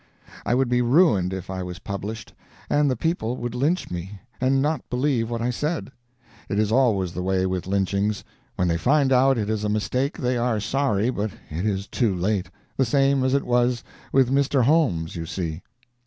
I would be ruined if I was published, and the people would lynch me, and not believe what I said. It is always the way with lynchings: when they find out it is a mistake they are sorry, but it is too late the same as it was with Mr. Holmes, you see.